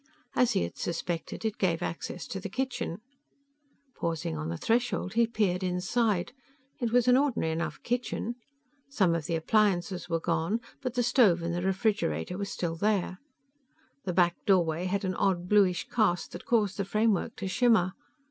As he had suspected, it gave access to the kitchen. Pausing on the threshold, he peered inside. It was an ordinary enough kitchen. Some of the appliances were gone, but the stove and the refrigerator were still there. The back doorway had an odd bluish cast that caused the framework to shimmer.